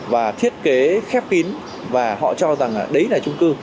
và thiết kế khép kín và họ cho rằng đấy là trung cư